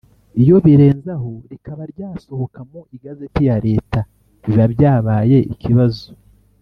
Iyo birenze aho rikaba ryasohoka mu igazeti ya Leta biba byabaye ikibazo